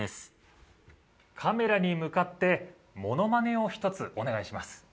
・カメラに向かってモノマネをひとつお願いします